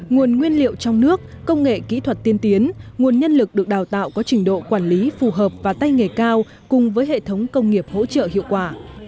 nguồn nguyên liệu trong nước công nghệ kỹ thuật tiên tiến nguồn nhân lực được đào tạo có trình độ quản lý phù hợp và tay nghề cao cùng với hệ thống công nghiệp hỗ trợ hiệu quả